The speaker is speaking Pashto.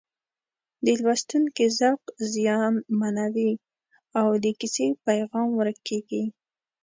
د لوستونکي ذوق زیانمنوي او د کیسې پیغام ورک کېږي